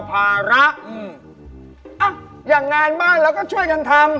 ภาระอาคอยากกอบราศน์ก็ช่วยกันทำ